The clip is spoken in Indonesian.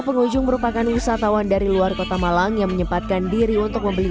pengunjung merupakan wisatawan dari luar kota malang yang menyempatkan diri untuk membeli